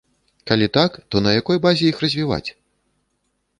Калі так, то на якой базе іх развіваць?